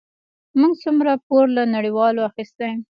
موږ څومره پور له نړیوالو اخیستی؟